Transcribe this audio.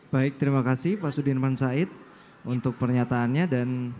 baik terima kasih pak sudirman said untuk pernyataannya dan